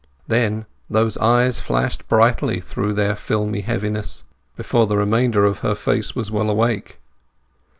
Then those eyes flashed brightly through their filmy heaviness, before the remainder of her face was well awake.